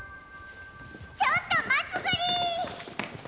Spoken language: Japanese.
ちょっとまつぐり！